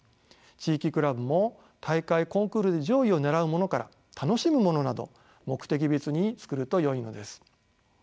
地域クラブも大会・コンクールで上位を狙うものから楽しむものなど目的別に作るとよいのです。